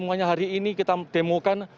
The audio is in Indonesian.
semuanya hari ini kita demokan